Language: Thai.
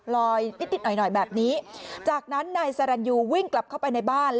นิดนิดหน่อยหน่อยแบบนี้จากนั้นนายสรรยูวิ่งกลับเข้าไปในบ้าน